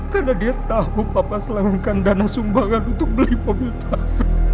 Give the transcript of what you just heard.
karena dia tahu papa selengkang dana sumbangan untuk beli mobil tanpa